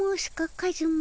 カズマ。